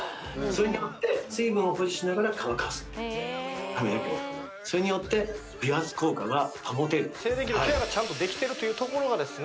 それによって水分を保持しながら乾かすと髪の毛をそれによって美髪効果が保てる静電気のケアがちゃんとできてるというところがですね